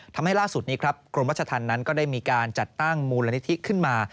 ทำให้ล่าสุดนี้ครับกรมรัชธรรมนั้นก็ได้มีการจัดตั้งมูลนิธิขึ้นมา